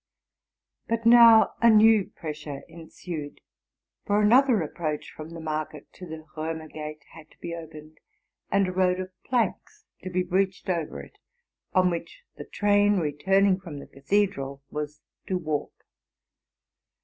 But now a new pressure ensued; for another 'pees from the market to the Romer gate had to be opened, and 2 road of planks to be bridged over it. on which the train re turning from the cathedral was to walk.